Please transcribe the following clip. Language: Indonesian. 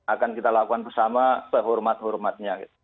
akan kita lakukan bersama sehormat hormatnya